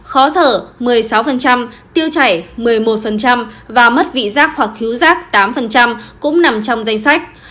khó thở một mươi sáu tiêu chảy một mươi một và mất vị giác hoặc khí rác tám cũng nằm trong danh sách